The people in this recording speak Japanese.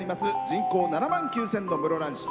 人口７万９０００の室蘭市。